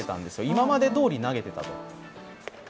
今までどおり投げていたと。